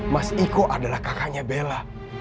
mas iko adalah kakaknya bella